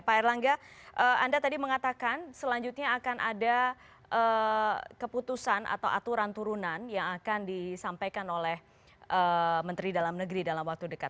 pak erlangga anda tadi mengatakan selanjutnya akan ada keputusan atau aturan turunan yang akan disampaikan oleh menteri dalam negeri dalam waktu dekat